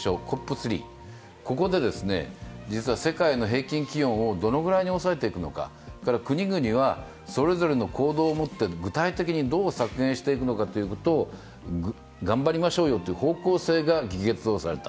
３ここで実は世界の平均気温をどれくらいに抑えていくのか、国々はそれぞれの行動をもって、具体的にどう削減していくのかを頑張りましょうよという方向性が議決をされた。